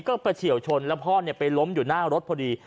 ก็ไปเฉียวชนแล้วพ่อไปล้มอยู่หน้ารถพอดี